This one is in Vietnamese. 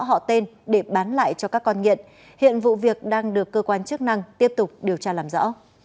họ tên để bán lại cho các con nghiện hiện vụ việc đang được cơ quan chức năng tiếp tục điều tra làm rõ